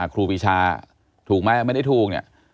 ครูปีชาถูกไหมไม่ได้ถูกเนี่ย